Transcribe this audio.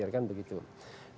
kemudian ke dpr kemudian ke dpr